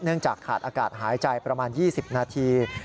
จากขาดอากาศหายใจประมาณ๒๐นาที